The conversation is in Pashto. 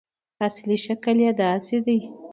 اصلي شکل یې داسې دی.